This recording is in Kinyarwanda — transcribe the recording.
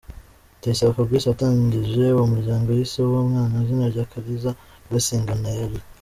Ndayisaba Fabrice watangije uwo muryango yise uwo mwana izina rya “Akariza Blessing Anaëlle”.